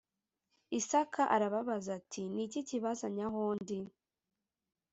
Isaka arababaza ati Ni iki kibazanye aho ndi